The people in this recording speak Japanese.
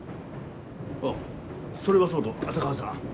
あっそれはそうと浅川さん